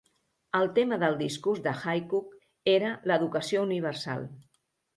El tema del discurs de Aycock era l'"Educació universal".